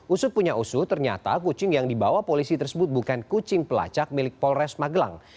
usut punya usu ternyata kucing yang dibawa polisi tersebut bukan kucing pelacak milik polres magelang